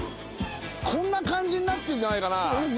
こんな感じになってるんじゃないかな。